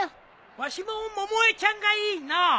わしも百恵ちゃんがいいのう。